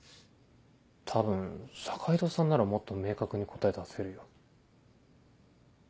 多分坂井戸さんならもっと明確に答え出せるよ。